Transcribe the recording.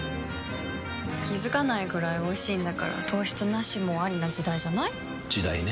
気付かないくらいおいしいんだから糖質ナシもアリな時代じゃない？時代ね。